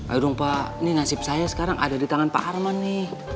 aduh dong pak ini nasib saya sekarang ada di tangan pak arman nih